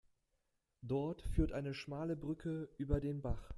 Dort führt eine schmale Brücke über den Bach.